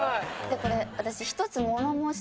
これ私。